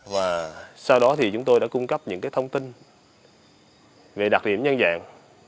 và sau đó thì chúng tôi đã cung cấp những thông tin về đặc điểm nhân dạng